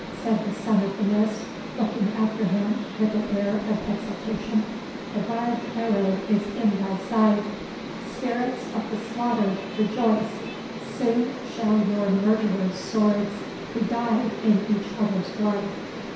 said the Son of the Mist, looking after him with an air of exultation; "the barbed arrow is in thy side! Spirits of the slaughtered, rejoice! soon shall your murderers' swords be dyed in each other's blood."